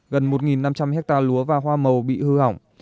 gần một năm trăm linh hectare lúa và hoa màu bị hư hỏng